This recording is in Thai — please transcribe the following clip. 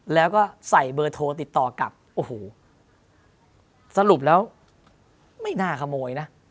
แล้วก็ใส่เบอร์โทรติดต่อกลับโอ้โหสรุปแล้วไม่น่าขโมยนะ